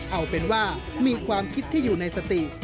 เอาเป็นว่ามีความคิดที่อยู่ในสติ